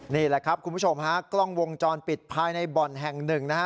นี่แหละครับคุณผู้ชมฮะกล้องวงจรปิดภายในบ่อนแห่งหนึ่งนะฮะ